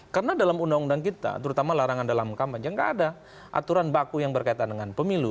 karena dalam undang undang kita terutama larangan dalam kampanye gak ada aturan baku yang berkaitan dengan pemilu